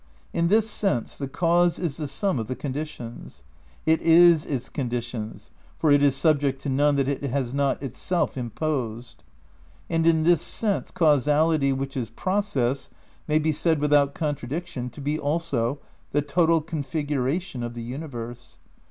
In this sense the cause is the sum of the condi tions. It is its conditions, for it is subject to none that it has not itself imposed. And in this sense causality which is process, may be said without contradiction to be also the total configuration of the universe.